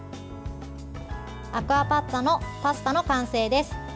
アクアパッツァのパスタの完成です。